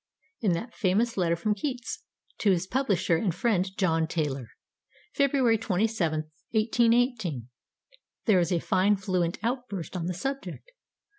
In that famous letter from Keats to his publisher and friend John Taylor, February 27, 1818, there is a fine fluent outburst on the subject.